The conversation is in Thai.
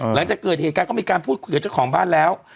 หลังจากเกิดเหตุการณ์ก็มีการพูดคุยกับเจ้าของบ้านแล้ว